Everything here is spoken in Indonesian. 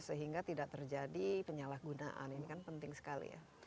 sehingga tidak terjadi penyalahgunaan ini kan penting sekali ya